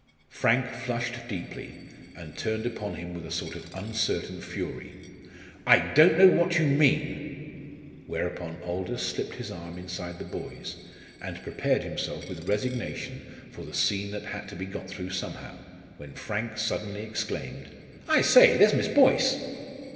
Frank flushed deeply, and turned upon him with a sort of uncertain fury. "I don't know what you mean." Whereupon Aldous slipped his arm inside the boy's, and prepared himself with resignation for the scene that had to be got through somehow, when Frank suddenly exclaimed: "I say, there's Miss Boyce!"